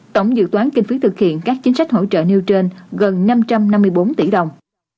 tổng dự toán kinh phí thực hiện các chính sách hỗ trợ nêu trên gần năm trăm năm mươi bốn tỷ đồng